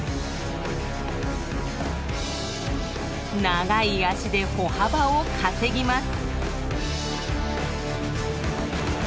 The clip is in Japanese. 長い足で歩幅を稼ぎます。